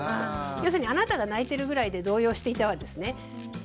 要するにあなたが泣いてるぐらいで動揺していてはですね